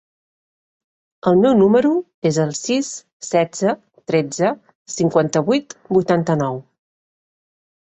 El meu número es el sis, setze, tretze, cinquanta-vuit, vuitanta-nou.